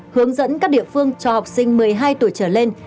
hướng dẫn các địa phương cho học sinh một mươi hai tuổi trở lên